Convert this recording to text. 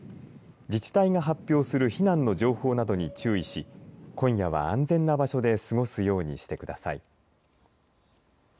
自治体が発表する避難の情報などに注意し今夜は安全な場所で過ごすようにしてください。